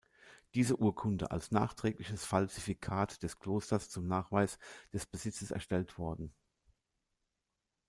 Diese Urkunde als nachträgliches Falsifikat des Klosters zum Nachweis des Besitzes erstellt worden.